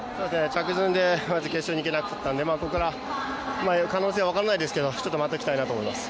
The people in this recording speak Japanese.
着順で決勝に行けなかったので、ここから可能性は分かんないですけど、待っておきたいなと思います